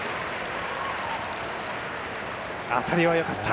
当たりはよかった。